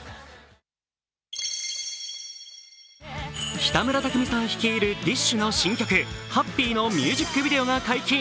北村匠海さん率いるＤＩＳＨ／／の新曲「ＨＡＰＰＹ」のミュージックビデオが解禁。